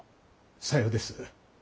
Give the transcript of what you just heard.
さようです。